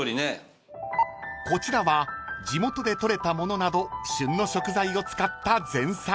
［こちらは地元で採れたものなど旬の食材を使った前菜］